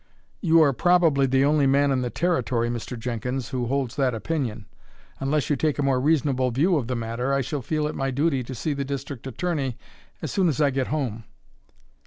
"You are probably the only man in the Territory, Mr. Jenkins, who holds that opinion. Unless you take a more reasonable view of the matter I shall feel it my duty to see the district attorney as soon as I get home."